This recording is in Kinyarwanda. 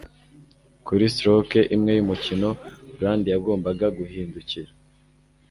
Kuri stroke imwe yumukino Brad yagombaga guhindukira